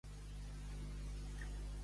Tractar amb Déu.